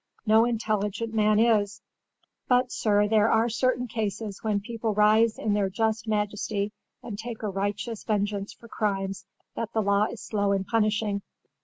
No intelligent man is. But, sir, there are certain cases when people rise in their just majesty and take a righteous vengeance for crimes that the law is slow in punishing.